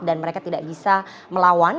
dan mereka tidak bisa melawan